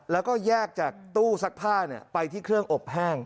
แล้วก็แยกจากตู้ซักผ้าไปที่เครื่องอบแห้ง